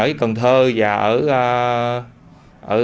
ở cần thơ và ở